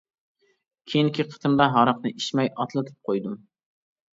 كېيىنكى قېتىمدا ھاراقنى ئىچمەي ئاتلىتىپ قۇيدۇم.